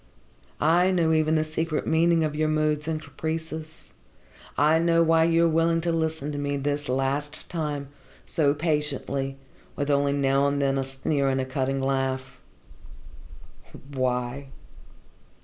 I know even the secret meaning of your moods and caprices. I know why you are willing to listen to me, this last time, so patiently, with only now and then a sneer and a cutting laugh." "Why?"